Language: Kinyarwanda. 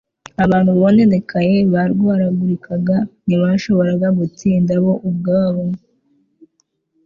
Abantu bononekaye barwaragurika, ntibashoboraga gutsinda bo ubwabo.